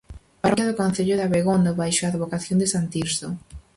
Parroquia do concello de Abegondo baixo a advocación de san Tirso.